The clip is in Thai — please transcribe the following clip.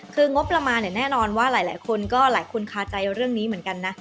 คืองบประมาณเนี่ยแน่นอนว่าหลายคนก็หลายคนคาใจเรื่องนี้เหมือนกันนะ